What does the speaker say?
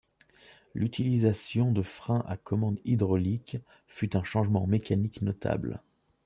L'utilisation de freins à commande hydrauliques fut un changement mécanique notable.